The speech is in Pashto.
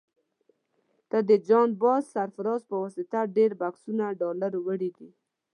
تا د جان باز سرفراز په واسطه ډېر بکسونه ډالر وړي دي.